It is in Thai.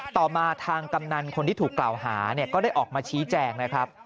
ต่อมาทางกำนันคนที่ถูกกล่าวหาก็ได้ออกมาชี้แจงนะครับ